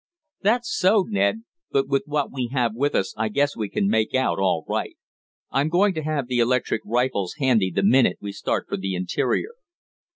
"That's so, Ned. But with what we have with us I guess we can make out all right. I'm going to have the electric rifles handy the minute we start for the interior."